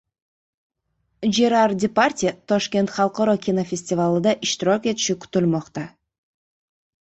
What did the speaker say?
Jerar Depardye Toshkent xalqaro kinofestivalida ishtirok etishi kutilmoqda